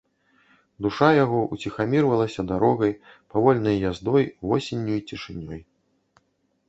Душа яго ўціхамірвалася дарогай, павольнай яздой, восенню і цішынёй.